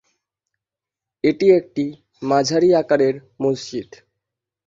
এটি একটি মাঝারি আকারের মসজিদ।